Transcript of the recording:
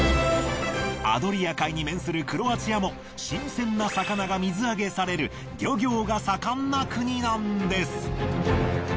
アドリア海に面するクロアチアも新鮮な魚が水揚げされる漁業が盛んな国なんです。